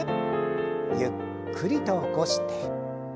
ゆっくりと起こして。